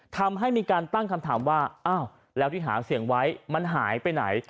ทำให้มีการตั้งคำถามว่าอ้าวแล้วที่หาเสียงไว้มันหายไปไหน